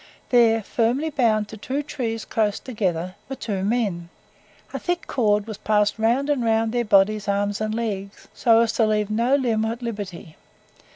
There, firmly bound to two trees close together, were two men. A thick cord was passed round and round their bodies, arms, and legs, so as to leave no limb at liberty.